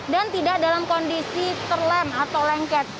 dan tidak dalam kondisi terlem atau lengket